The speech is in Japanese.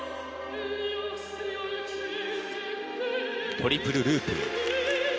トリプルループ。